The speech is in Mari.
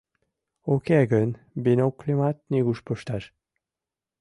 Уке гын бинокльымат нигуш пышташ.